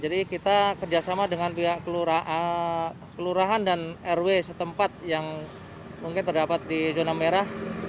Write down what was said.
jadi kita kerjasama dengan pihak kelurahan dan rw setempat yang mungkin terdapat di zona merah